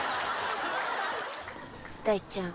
「大ちゃん」